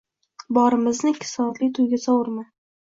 Borimizni ikki soatlik to`yga sovurma